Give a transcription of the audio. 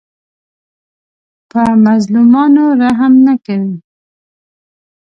په مظلومانو رحم نه کوي